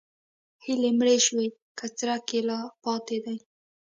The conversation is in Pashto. هیلې مړې شوي که څرک یې لا پاتې دی؟